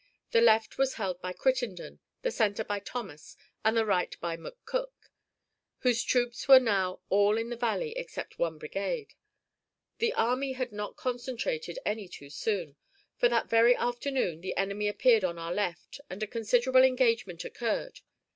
The left was held by Crittenden, the center by Thomas, and the right by McCook, whose troops were now all in the valley except one brigade. The army had not concentrated any too soon, for that very afternoon the enemy appeared on our left, and a considerable engagement occurred.